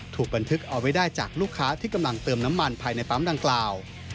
ถูกบันทึกเอาไว้ได้จากลูกค้าที่กำลังเติมน้ำมันภายในปั๊มดังกล่าว